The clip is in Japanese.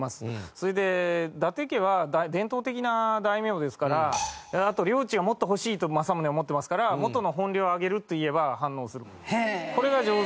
それで伊達家は伝統的な大名ですからあと領地がもっと欲しいと政宗は思ってますから「元の本領をあげる」と言えば反応する。